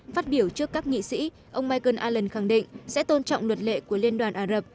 phát biểu trước các nghị sĩ ông michael alen khẳng định sẽ tôn trọng luật lệ của liên đoàn ả rập